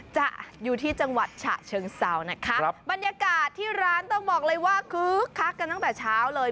จะอยู่ที่จังหวัดฉะเชิงเซานะคะบรรยากาศที่ร้านต้องบอกเลยว่าคึกคักกันตั้งแต่เช้าเลย